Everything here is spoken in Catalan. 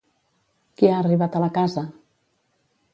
Qui ha arribat a la casa?